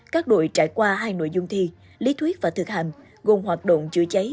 các đội trải qua hai nội dung thi lý thuyết và thực hành gồm hoạt động chữa cháy